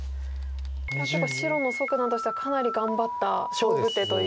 これは結構白の蘇九段としてはかなり頑張った勝負手という。